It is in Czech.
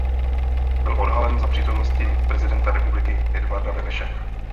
Byl odhalen za přítomnosti prezidenta republiky Edvarda Beneše.